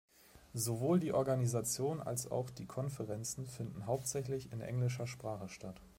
Sowohl die Organisation als auch die Konferenzen finden hauptsächlich in englischer Sprache statt.